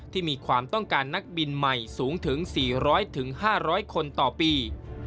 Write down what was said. มีความต้องการนักบินใหม่สูงถึง๔๐๐๕๐๐คนต่อปี